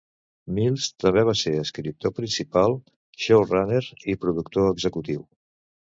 Mills també va ser escriptor principal, showrunner i productor executiu.